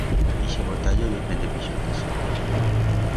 Ixe botallo ye plen de pixotes.